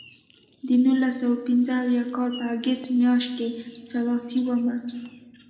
د نولس سوه پنځه اویا کال په اګست میاشت کې سلاسي ومړ.